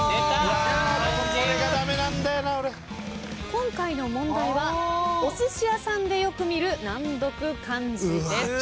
今回の問題はおすし屋さんでよく見る難読漢字です。